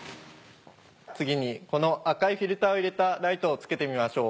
次にこの赤いフィルターを入れたライトをつけてみましょう。